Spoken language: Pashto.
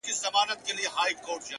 زما په ذهن كي تصوير جوړ كړي”